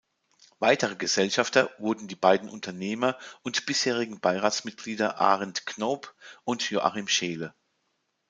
Weitere Gesellschafter wurden die beiden Unternehmer und bisherigen Beiratsmitglieder Arend Knoop und Joachim Scheele.